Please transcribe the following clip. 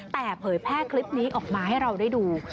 แต่เผยแพร่คลิปนี้ออกมาให้เราได้ดู